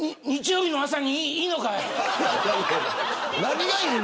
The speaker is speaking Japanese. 日曜日の朝に、いいのかい。